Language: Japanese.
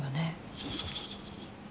そうそうそうそう。